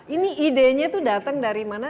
ini idenya itu datang dari mana